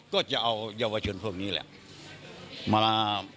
ก็จะเอาเยาวชนพวกนี้แหละมา